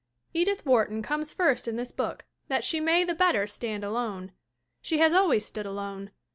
Edith Wharton comes first in this book that she may the better stand alone. She has always stood alone.